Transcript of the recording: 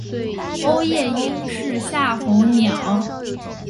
欧夜鹰是夏候鸟。